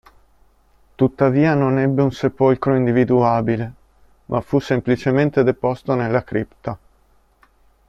Tuttavia non ebbe un sepolcro individuabile, ma fu semplicemente deposto nella cripta.